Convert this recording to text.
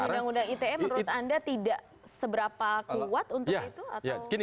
dan undang undang ite menurut anda tidak seberapa kuat untuk itu